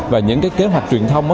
và những kế hoạch truyền thông